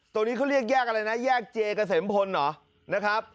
ตรงนี้เขาเรียกแยกอะไรนะแยกเจเกษมพลเหรอนะครับ